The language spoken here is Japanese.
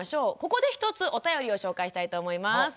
ここで一つお便りを紹介したいと思います。